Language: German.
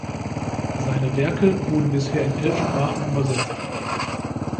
Seine Werke wurden bisher in elf Sprachen übersetzt.